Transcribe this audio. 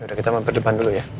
udah kita mampir depan dulu ya